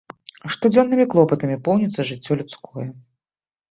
Штодзённымі клопатамі поўніцца жыццё людское.